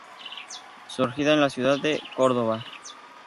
Surgida en la ciudad de Córdoba.